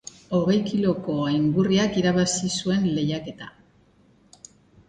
Hogei kiloko angurriak irabazi zuen lehiaketa